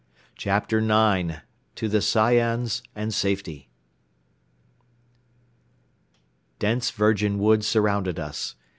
CHAPTER IX TO THE SAYANS AND SAFETY Dense virgin wood surrounded us.